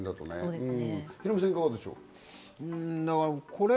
ヒロミさん、いかがでしょう？